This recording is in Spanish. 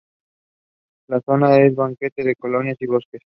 La zona es abundante en colinas y bosques.